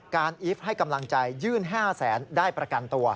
อีฟให้กำลังใจยื่น๕แสนได้ประกันตัว